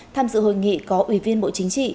tham dự hội nghị có ủy viên bộ chính trị